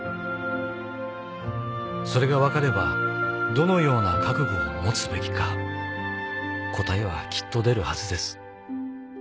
それが分かればどのような覚悟を持つべきか答えはきっと出るはずです。